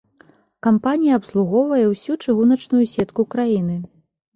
Кампанія абслугоўвае ўсю чыгуначную сетку краіны.